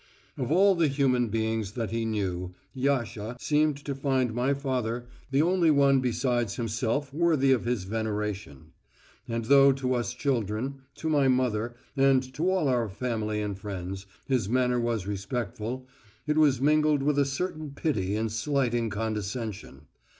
Of all the human beings that he knew, Yasha seemed to find my father the only one besides himself worthy of his veneration. And though to us children, to my mother, and to all our family and friends, his manner was respectful, it was mingled with a certain pity and slighting condescension.